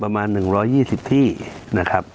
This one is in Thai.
ประมาณ๑๒๐ที่นะครับ